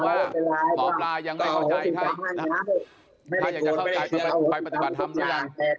ว่าหมอปลายังไม่เข้าใจถ้าอยากจะเข้าใจไปปฏิบัติธรรมหรือยัง